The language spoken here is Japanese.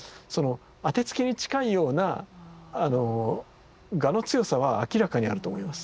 当てつけに近いような我の強さは明らかにあると思います。